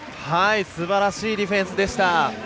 すばらしいディフェンスでした。